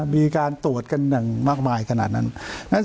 มีการตรวจกันอย่างมากมายขนาดนั้น